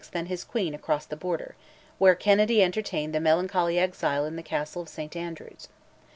and his queen across the Border, where Kennedy entertained the melancholy exile in the Castle of St Andrews.